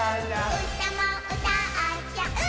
「うたもうたっちゃう」